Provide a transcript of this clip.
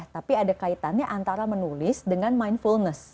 tapi ada kaitannya antara menulis dengan mindfulness